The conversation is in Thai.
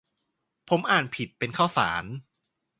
ผมอ่านผิดเป็นข้าวสาร